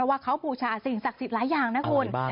ว่าเขาบูชาสิ่งศักดิ์สิทธิ์หลายอย่างนะคุณ